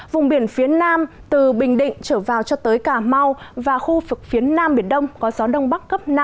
vùng biển phía nam từ bình định trở vào cho tới cà mau và khu vực phía nam biển đông có gió đông bắc cấp năm